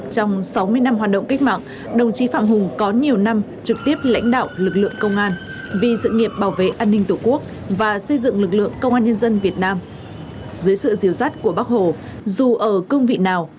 trong sáu mươi năm hoạt động kết mạng đồng chí phạm hùng có nhiều năm trực tiếp lãnh đạo lực lượng công an